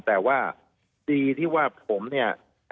แต่ว่าดีที่ว่าผมเนี่ย